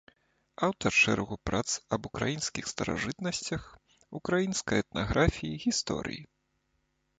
Аўтар шэрагу прац аб украінскіх старажытнасцях, украінскай этнаграфіі, гісторыі.